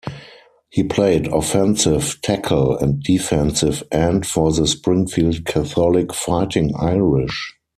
He played offensive tackle and defensive end for the Springfield Catholic Fighting Irish.